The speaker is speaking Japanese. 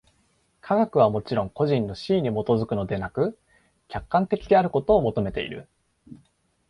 科学はもちろん個人の肆意に基づくのでなく、客観的であることを求めている。